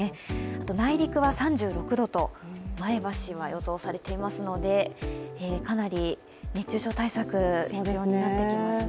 あと内陸は３６度と前橋は予想されてますのでかなり熱中症対策、必要になってきますね。